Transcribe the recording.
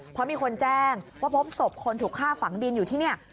เพราะมีคนแจ้งว่าพบศพคนถูกฆ่าฝังดินอยู่ที่นี่